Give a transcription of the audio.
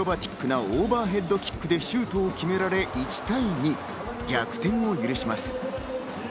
アクロバティックなオーバーヘッドキックでシュートを決められ１対２、逆転を許します。